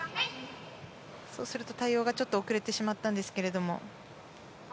そうすると対応がちょっと遅れてしまったんですけど。